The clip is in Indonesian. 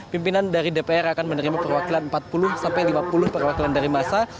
pimpinan dari dpr akan menerima perwakilan empat puluh sampai lima puluh perwakilan dari masa